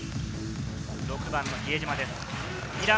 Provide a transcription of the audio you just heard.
６番の比江島です。